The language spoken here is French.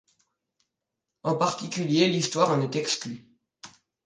En particulier l'histoire en est exclue.